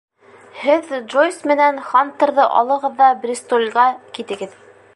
Һеҙ Джойс менән Хантерҙы алығыҙ ҙа Бристолгә китегеҙ.